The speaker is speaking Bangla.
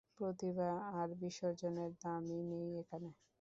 প্রতিভা আর বিসর্জনের দাম-ই নেই এখানে।